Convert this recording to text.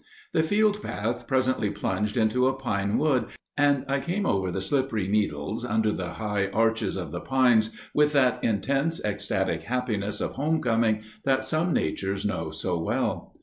The field path presently plunged into a pine wood, and I came over the slippery needles under the high arches of the pines with that intense ecstatic happiness of home coming that some natures know so well.